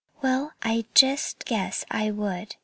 "Well, I just guess I would!"